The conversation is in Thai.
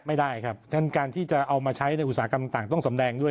ไม่ได้ครับงั้นการที่จะเอามาใช้ในอุตสาหกรรมต่างต้องสำแดงด้วย